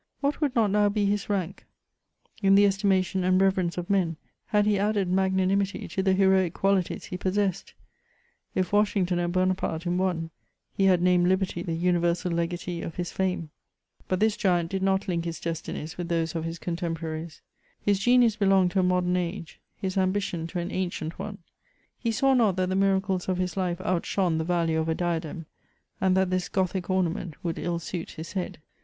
What would not now be his rank in the estimation and reverence of men, had he added magnanimity to the heroic qualities he possessed ! if, Waslungton and ^naparte in one, he had named liberty the universal legatee of his fame !, But this g^iant did not link his destinies with those of his con temporaries ; his genius belonged to a modem age, his ambition to an ancient one ; he saw not that the miracles of his life out shone the value of a diadem, and that this Gothic ornament would ill suit his head.